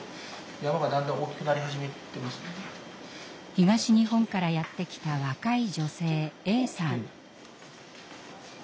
東日本からやって来た若い女性Ａさん。